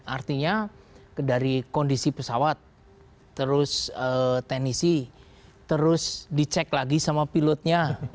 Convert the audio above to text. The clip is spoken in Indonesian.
artinya dari kondisi pesawat terus teknisi terus dicek lagi sama pilotnya